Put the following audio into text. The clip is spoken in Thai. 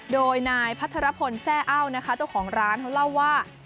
โดยนายพัทรพลแซ่อ้านะคะเจ้าของร้านเขาเล่าว่า